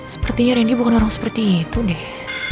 sepertinya randy bukan orang seperti itu deh